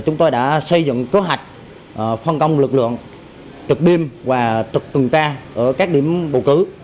chúng tôi đã xây dựng cơ hạch phân công lực lượng trực đêm và trực từng ca ở các điểm bầu cử